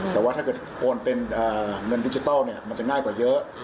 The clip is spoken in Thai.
แต่ว่าถ้าเกิดโอนเป็นเงินดิจิทัลมันจะง่ายกว่าเยอะ